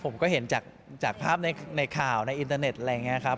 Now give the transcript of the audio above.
ผมก็เห็นจากภาพในข่าวในอินเตอร์เน็ตอะไรอย่างนี้ครับ